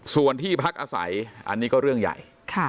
ส่วนที่พักอาศัยอันนี้ก็เรื่องใหญ่